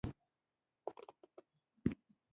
د مشرانو دعا د ژوند برکت دی.